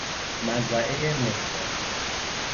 مزرعه نمونه